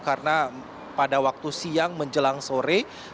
karena pada waktu siang menjelang sore